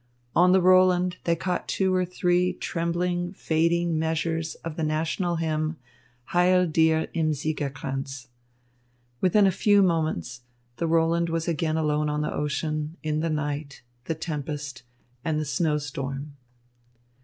On the Roland they caught two or three trembling, fading measures of the national hymn, Heil dir im Siegerkranz. Within a few moments the Roland was again alone on the ocean, in the night, the tempest, and the snowstorm.